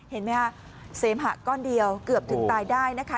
เห็นไหมคะเสมหะก้อนเดียวเกือบถึงตายได้นะคะ